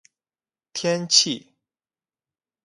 天气